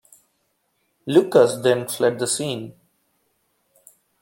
Lucas then fled the scene.